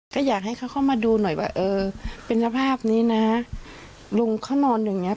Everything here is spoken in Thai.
ก็อยากให้เขาเข้ามาดูหน่อยว่าเออเป็นสภาพนี้นะลุงเขานอนอย่างเงี้